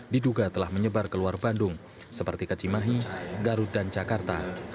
diduga telah menyebar ke luar bandung seperti ke cimahi garut dan jakarta